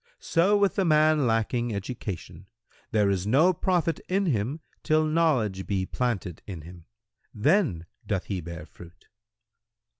So with the man lacking education; there is no profit in him till knowledge be planted in him; then doth he bear fruit."